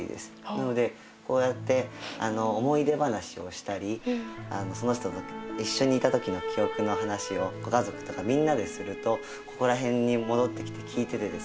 なのでこうやって思い出話をしたりその人と一緒にいた時の記憶の話をご家族とかみんなでするとここら辺に戻ってきて聞いててですね